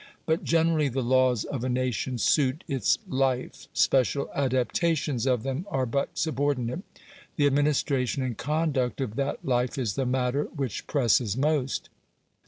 But generally the laws of a nation suit its life; special adaptations of them are but subordinate; the administration and conduct of that life is the matter which presses most.